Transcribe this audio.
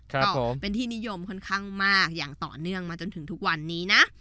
ก็เป็นที่นิยมค่อนข้างมากอย่างต่อเนื่องมาจนถึงทุกวันนี้นะ